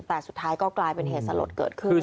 แต่สุดท้ายก็กลายเป็นเหตุสลดเกิดขึ้น